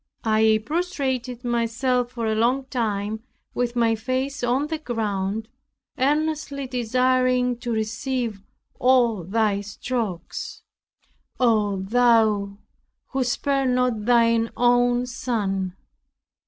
I prostrated myself for a long time with my face on the ground, earnestly desiring to receive all thy strokes. Oh, Thou who spared not thine own son!